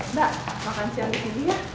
mbak makan siang di sini ya